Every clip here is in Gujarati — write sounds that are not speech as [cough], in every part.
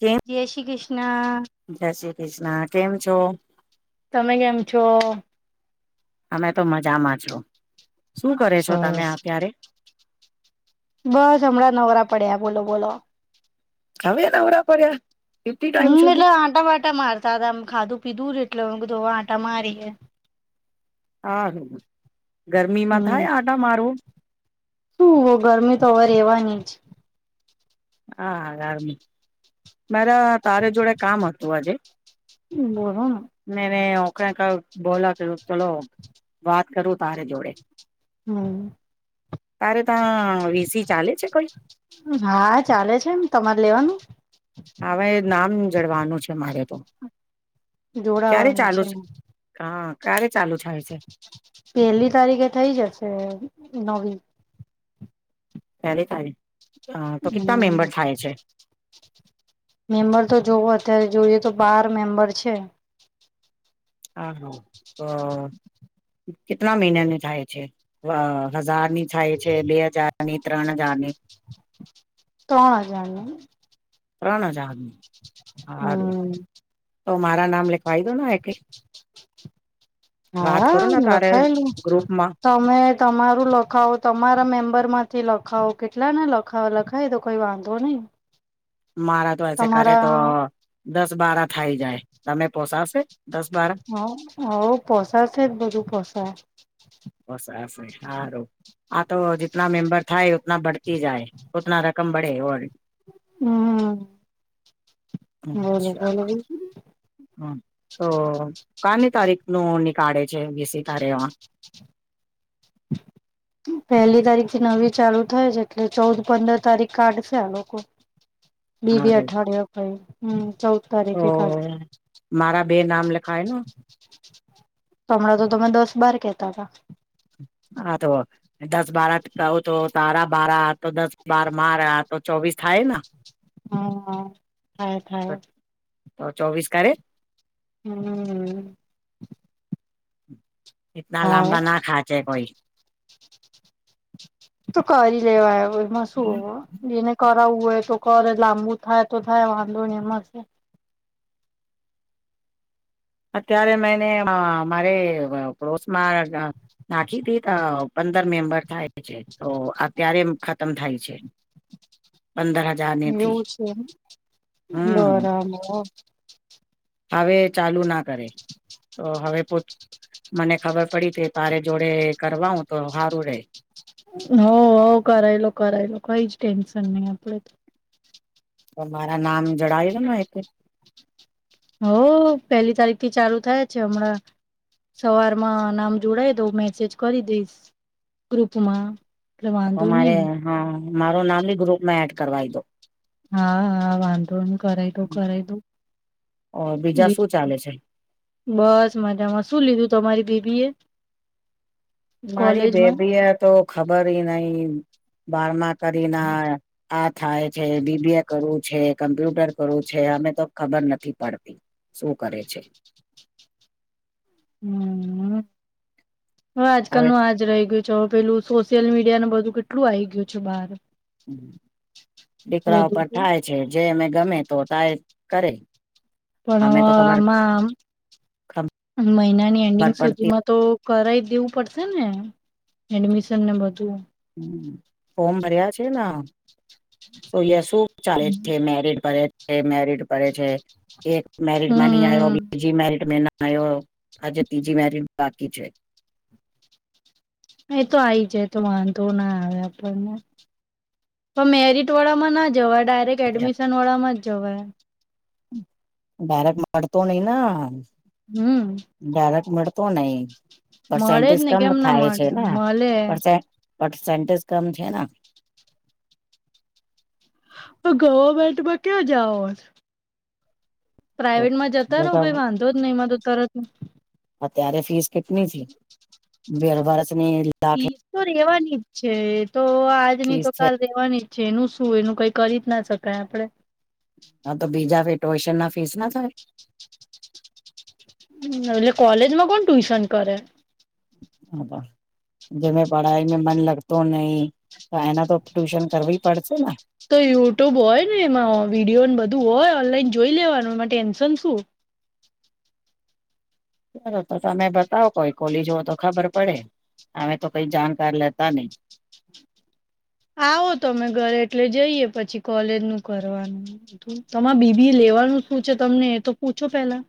કેમ જય શ્રી કૃષ્ણ જય શ્રી કૃષ્ણ કેમ છો તમે કેમ છો અમે તો મજામાં છું શું કરે છો તમે સરસ. અત્યારે બસ હમણાં નવરા પડ્યા બોલો બોલો હ એના ઉરા પરર્યા હમ એટલે આંટા વાંટા મારતા હતામ ખાધું પીધું લોકો કો તો આટા મારી હ. હા [unintelligible] ગરમી માં હમ. થાય આડા મારોું શું ગરમી તો અવેર રહેવાની જ હા અ આરમ મારા તારે જોડે કામ હતું આજે બોલો ને. ઓખણે બોલા કે ચલો વાત કરું તારે જોડે હમ. તારે ત્યા વીસી ચાલે છે કોઈ હા ચાલે છે એમ તમારે લેવાનું. હવે નામ જડવાનું છે મારે તો ક્યારે જોડાવાનું ચાલુ છે, [unintelligible] ક્યારે ચાલુ છે. થાય પેલી તારીખે થઇ જાશે. નવી ક્યારે [inaudible] હમ મેમ્બર તો જોવો અત્યારે જોઈએ તો બાર મેમ્બર છે. [unintelligible] તો કેટલા મહિનાની થાય છે, હજાર થાય છે, બે હજાર ની રાના જાની તોણ [unintelligible] [inaudible] હારું હમ તો મારા નામ લખ ફાયદો ના એ કઈ હા લખાયેલું ગ્રુપમાં તમે તમારું લખાવો તમારા મેમ્બર માં. [unintelligible] લખાવો કેટલા ને લખાવો લખાવ તો કોઈ વાંધો નહીં મારા તો [unintelligible] છે, [unintelligible] તો દસ બાર થાય જાય [unintelligible] પોસાશે દસ બાર હ હ પોસાશે જ બધું પોસાય. બસ [inaudible] આ તો જેટલા મેમ્બર થાય. [unintelligible] બઢતી જાય [inaudible] કમબડે ઓ હમ બોલો અચ્છા બોલો બ હમ તો કની તારીખ નું નીકાળે છે, બીસી [inaudible] પહેલી તારીખ થી નવી ચાલુ થાય છે, એટલે ચૌદ પંદર તારીખ કાઢશે આ લોકો [unintelligible] અઠવાડિયા કાઈ હમ ચૌ ઓ મારા બે નામ લખાય નું હમણાં તો તમે દસ બાર કેતા હતા. હા [unintelligible] દસ બારા [inaudible] બારા તો દસ બાર બાર તો ચોવીસ થાય ના હા હા થાય થાય તો ચોવીસ કારે હું એતના લાંબા ના ખાચે કોઈ તું કરી લેવા આવ શું જેને ક હોય તો કરે લાંબુ થાય તો થાય વાંધો એ મળ અત્યારે મેને મારે પડોશમાં નાખી હતી પંદર મેમ્બર થાય છે તો અત્યારે ખતમ થાય છે પંદર હજાર ને થી એવું છે હમ બરાબર હવે ચાલુ ના કરે તો હવે મને ખબર પડી કે તારે જોડે કરવા હ તો સારું રે. હો હો કરાયેલો કરાયેલો કઈ જ ટેન્શન નહી આપડ તો તો મારા નામ જડાવ્યું ન એતે હ પહેલી તારીખ થી ચાલુ થાય છે હમણાં સવારમાં નામ જોડાય તો હ મેસેજ કરી દઈશ ગ્રુપમાં એટલે તો વાંધો મારે નહી હા મારો નામની ગ્રુપમાં એડ કરવાઈ દો. હા હા વાંધો કરાવ દો કરાઈ દો ઓર બીજા શું બીજું ચાલે છે બસ મજામાં શું લીધું તમારી બીબી એ મારી કોલેજમાં બેબી એ તો ખબર નહ બારમાં કરીને આ થાય છે બીબી એ કરવું છે કમ્પ્યુટર કરું છે અમે તો ખબર નથી પડતી શું કરે છે. હમ. હવે આજકાલનું આજ રહી ગયું છે ચ પેલું સોશિયલ મીડિયાને બધું કેટલું આવી ગયું છે બહાર દીકરા પર બધું થાય છે જે અમે ગમે તો તાય કરે. પણ અમે તો ખબર આમાં ખબર મહિનાની એન્ડિંગ પડતી સુધીમાં તો કરાવ દેવું પડશે ને એડમિશન ને બધું? ફોમ ભર્યા છે. સો શું ચાલે છે મેરટ [inaudible] એ મેરિટ પડે છે. એક મેરિડમાં ન આયો હમ બીજી મેરિડ મે ના આજે ત્રીજી મેરિ બાકી છે. એ તો આવી જાય તો વાંધો ના આવે આપણને પણ મેરિટ વાળામાં ના જ જવાય ડાયરેક્ટ એડમિશન વાળામાં જવાય. બરેક મળતો નઇ ને આમ. હમ ડાયરેક્ મળે? તો નહી. મળે જ પર્સેન્ટેજ ને, કમ કેમ ના મળે? મળે. પટ સેન્ટીસ કમ છે ને. ગવર્મેન્ટમાં ક્યાં જાઓ છો.? પ્રાાઈવેટમાં જતા જો રહો, તો કઈ વાંધો જ નહી મદદ કરે ત્યારે ફીસ કેટની છે? [inaudible] વેર વાળેસ? ફીસ તો રેવાની, ઠીક છે. તો આજ ની ફીસ તો છે કાલ રેવાની જેનું શું? એનું કંઈ કરી જ ના શકાય આપડે. હા! તો બીજા ભી ટુશન ના ફીસ ના થાય? [inaudible] હ એટલે કોલેજ માં કોણ ટ્યુશન કરે.? [inaudible] જે મે પઢાઈ મે મન લગતો નહી, તો એના તો ટ્યુશન કરવી પડશે ને તો યુટ્યુબ હોય ને, એમાં વિડીયોને બધું હોય, ઓનલાઈન જોઈ લેવાનું એમાં ટેન્શન શું? ચલો તો, તમે બતાવો કોઈ કોલીજવ તો ખબર પડે, અમે તો કંઈ જાણકાર લેતા નહી આવો તમે ઘરે એટલે જઈએ. પછી કોલેજ નું કરવાનું તમારે બીબી લેવાનું શું છે તમને એ તો પૂછો પેલા?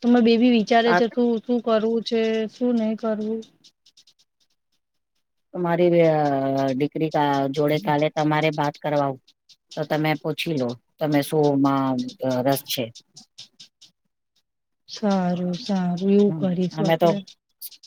તમાર બેબી વિચારે આ છે શું શું કરું? જે શું નહી કરવું. તમારી અઅ દીકરી જોડે કાલે તમારે બાત કરવાઉ તો તમે પૂછી લો તમે શું માં રસ છે? સારું! સારું એવું કરીશું હમે તો આપડે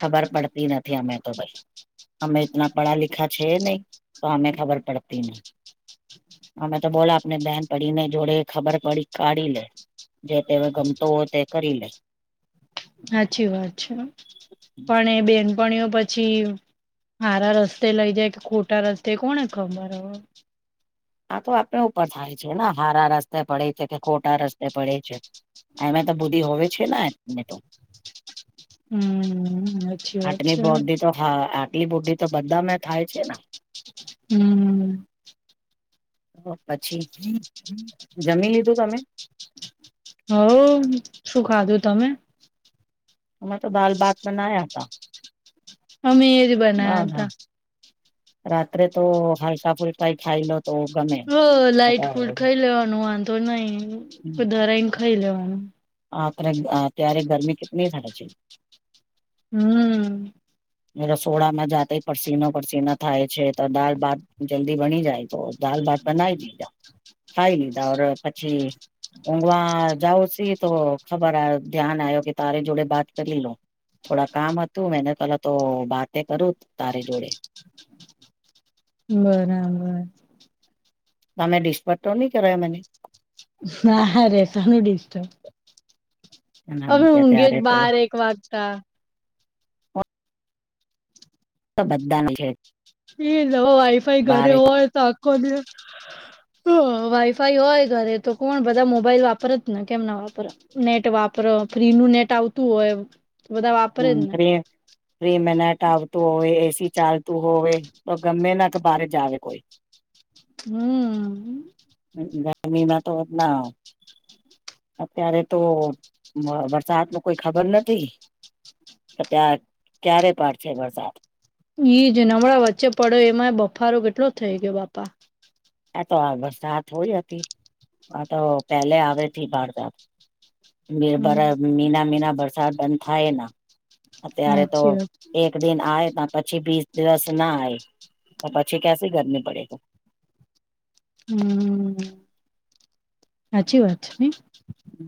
ખબર પડતી નથી અમેવ તો ભાઈ! હમે ઈતના પઢા લિખા છે નહી તો અમે ખબર પડતી. નહી અમે તો બોલો આપને બેનપડીને જોડે ખબર પડી કાઢી લે. જે તે ગમતો હો તે કરી લે. સાચી વાત છે. પણ એ બેન પણીઓ પછી હારા રસ્તે લઈ જાય કે, ખોટા રસ્તે કોને ખબર હવે. આ તો આપણા ઉપર થાય છે ને, હારા રસ્તે પડે છે, કે ખોટા રસ્તે પડે છે. એમે તો બુધી હોવે. છે ના નહીતો. હમમ આટલી બોડી તો હા, આટલી બોડી તો બધા મે થાય છે ને? હમમ હ પછી? જમી લીધું તમે? હવ શું ખાધું તમે અમે તો બાલ [unintelligible] [inaudible] હતા. [unintelligible] અમે એ જ ના બનાયા ના હતા. રાત્રે તો હાલ્કા ફુલ [unintelligible] ખાય લો. તો ગમે [unintelligible] ફૂડ ખાઈ લેવાનું વાંધો નઈ તોધારને ખાઈ લેવાનું. [unintelligible] ગરમી [inaudible] હમ રસોડામાં જાતે પસીનો પસીના થાય છે, તો દાલ ભાત જલ્દી બની જાય તો દાલ ભાત બનાવી લીજા ખાઈ લીધા પછી ઊંઘવા જાાવ સી તો ખબર આ ધ્યાન આવ્યો કે તારે જોડે બાત કરી લો થોડા કામ હતું [unintelligible] તો બાતે કરું તારે જોડે બરાબર તમે [unintelligible] કરાયા [unintelligible] ના હ [unintelligible] ડિસ્ટર્બ હવે ના ઊંઘે ત્યારે જ તો બાર એક વાગતા. બધાને એ નવા વાઈફાઈ ઘરે બારે હોય તો આખો ને હ વાઈફાઈ હોય ઘરે તો કોણ બધા મોબાઈલ વાપર જ ને કેમ ના વાપરો નેટ વાપરો ફ્રી નું નેટ આવતું હોય. બધા વાપરે હમ જ ને ફ્રી ફ્રી મેને નેટ આવતું હોય. [unintelligible] ચાલતું હોવે તો ગમે ના તો બાર [unintelligible] કોઈ.. હમ્મ ગમીમાં તો એ અત્યારે તો વરસાદ ન કોઈ ખબર નથી. ત્યાં ક્યારે પડશે વરસાદ. ઈ જે નમળા વચ્ચે પડ્યો એમાં બફારો કેટલો થઇ ગયો બાપા. આ તો આ વરસાદ હોય હતી, આ તો પેલે આવે હતી બારત. બ હમ બરા મીના મીના બરસા બન થાયના. અત્યારે તો સાચી વાત એક દિન આય ત પછી બીસ દિવસ ના આવે તો પછી કસી ગરમી પડે તો હમ સાચી વાત છે, નઇ. હમ.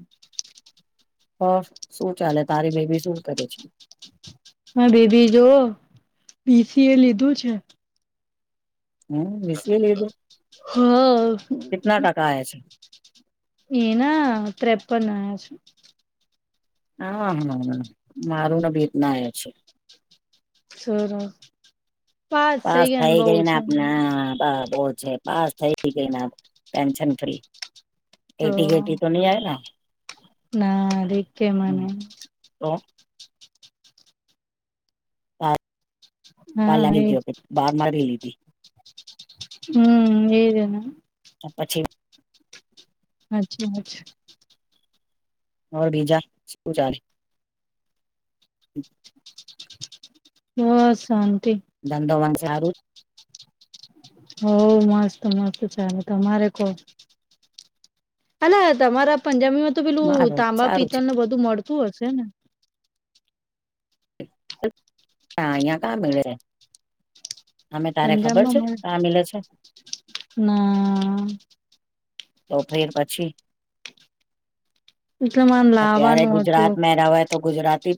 હ શું ચાલે? તારી બે બી શું કરે છે? હા દીદી જો, બી સી એ લીધું છે. હમ [unintelligible] એ લીધુ. હા આયા છે એના ત્રેપન આયા છે. હા માર [unintelligible] ભેદનાયા છે.. સરસ. પાસ ગયા ને થઈ બઉ ગઈને છે આપણા બસ પાસ થઈ ગઈને ટેન્શન ફ્રી.. તો એટી કેટી તો નહી આય ને ના રે કે મને તો [inaudible] પાર હા લાગી એજ ગયો તો બહાર મારી લીધી. હમ એ જ ને પછી [inaudible] બોલ બીજા શું ચાલે હા સારું ધંધોવન સારું હોવ મસ્ત મસ્ત ચાલે તમારે કો અલા તમારા પંજાબીમાં પેલું મારું તાબા સારું છે. પિતલ ને બધું મળ શું હશે ને ના અહિયાં કા મળે છે અમે તારે પંજાબ ખબર માં છે મને કા મિલે છે ના તો ફીર પછી એટલે માને અત્યારે લાવાનું હતું ગુજરાત મે રવાય તો ગુજરાતી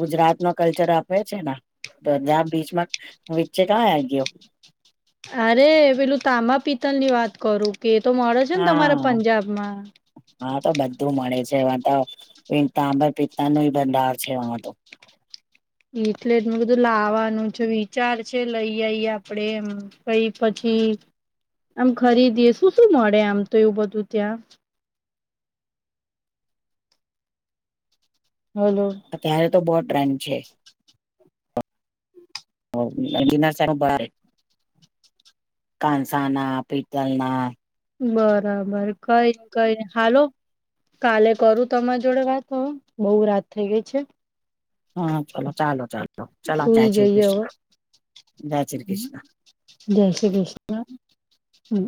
ગુજરાત નો કલ્ચર આપે છે ને તો ત્યાં બીચમાં વચે ક્યાં આવી ગયો અરે પેલું તાબા પિત્તલ ની વાત કરું તે તો મળે છે ને તમારા હા પંજાબમાં હા તો બધું મળે છે એમાં તો તાબા પિત્તા ન બંધાર છે એમાં તો એટલે જ બધું લાવવાનું છે વિચાર છે લઈ આઈ આપડે એમ કઈ પછી આમ ખરીદીએ શું શું મળે આમ તો એવું બધું ત્યાં હલો અત્યારે તો બહ ટ્રેન છે [unintelligible] કાનસાના પતલ ના બરાબર કઈ કઈ નઈ હાલો કાલે કરું તમારી જોડે વાત બઉ બહુ રાત થઈ ગઈ છે હા ચલો ચાલો ચાલો ચાલો જય સુઈ શ્રી જઈએ કૃષ્ણ હવે જય શ્રી કૃષ્ણ. જય શ્રી કૃષ્ણ હમ